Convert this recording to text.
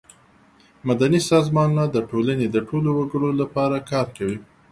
مدني سازمانونه د ټولنې د ټولو وګړو لپاره کار کوي.